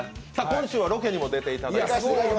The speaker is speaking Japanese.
今週はロケにも出ていただいて。